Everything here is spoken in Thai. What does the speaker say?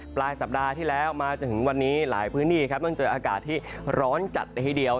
ปลายสัปดาห์ที่แล้วมาจนถึงวันนี้หลายพื้นที่ครับต้องเจออากาศที่ร้อนจัดเลยทีเดียว